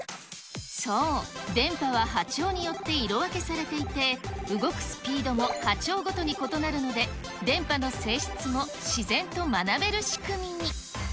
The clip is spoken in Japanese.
そう、電波は波長によって色分けされていて、動くスピードも波長ごとに異なるので、電波の性質も自然と学べる仕組みに。